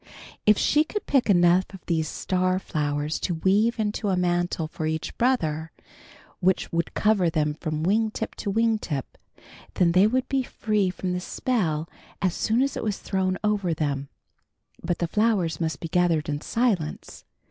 If she could pick enough of these star flowers to weave into a mantle for each brother, which would cover him from wing tip to wing tip, then they would be free from the spell as soon as it was thrown over them. But the flowers must be gathered in silence.